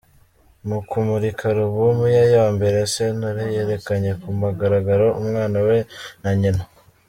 Mu kumurika alubumu ye ya mbere Sentore yerekanye ku mugaragaro umwana we na nyina